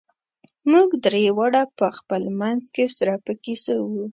موږ درې واړه په خپل منځ کې سره په کیسو وو.